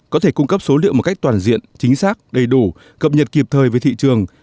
có thể cung cấp số liệu một cách toàn diện chính xác đầy đủ cập nhật kịp thời với thị trường